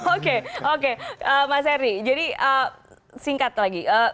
oke oke mas herdy jadi singkat lagi